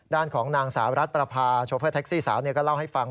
ด้านของนางสาวรัฐประพาโชเฟอร์แท็กซี่สาวก็เล่าให้ฟัง